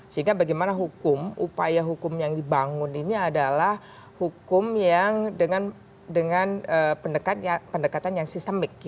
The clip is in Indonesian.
sehingga bagaimana hukum upaya hukum yang dibangun ini adalah hukum yang dengan pendekatan yang sistemik